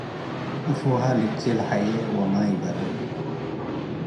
አፍሀ ሉቺ ለሐዬ ወማይ ብረህ